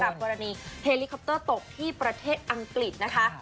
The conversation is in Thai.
กรณีเฮลิคอปเตอร์ตกที่ประเทศอังกฤษนะคะ